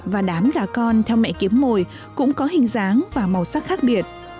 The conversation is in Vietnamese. và đám gà con theo mẹ kiếm mồi cũng có hình dáng và màu sắc khác biệt